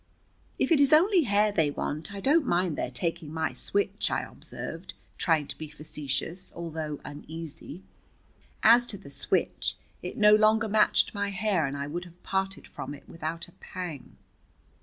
"If it is only hair they want, I don't mind their taking my switch," I observed, trying to be facetious, although uneasy. As to the switch, it no longer matched my hair, and I would have parted from it without a pang.